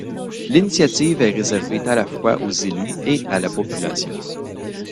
L'initiative est réservée à la fois aux élus et à la population.